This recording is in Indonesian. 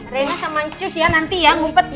rena sama cus ya nanti ya umpet ya